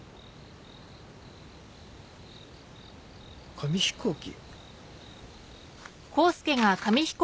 紙飛行機？